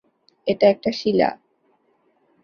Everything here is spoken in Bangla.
এটা একটা শিলা।